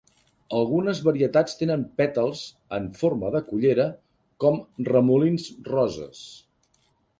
Algunes varietats tenen pètals "en forma de cullera" com "remolins roses".